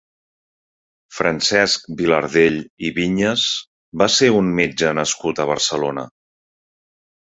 Francesc Vilardell i Viñas va ser un metge nascut a Barcelona.